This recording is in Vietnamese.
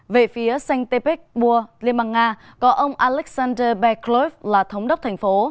về phía saint petersburg liên bang nga có ông alexander beklov là thống đốc thành phố